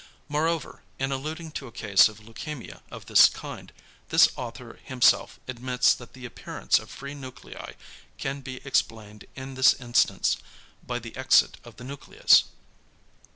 Moreover, in alluding to a case of leukæmia of this kind, this author himself admits that the appearance of free nuclei can be explained in this instance by the exit of the nucleus.